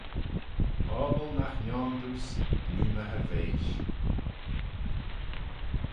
Pobble nagh nhione dooys: nee m'y hirveish.